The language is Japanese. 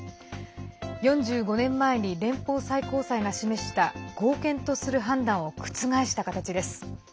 ４５年前に連邦最高裁が示した合憲とする判断を覆した形です。